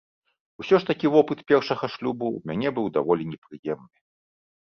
Усё ж такі вопыт першага шлюбу ў мяне быў даволі непрыемны.